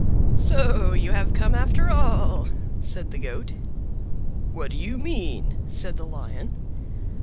"So you have come, after all," said the Goat. "What do you mean?" said the Lion.